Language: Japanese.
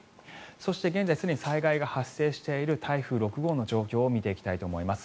そして、現在すでに被害が発生している台風６号の状況を見ていきたいと思います。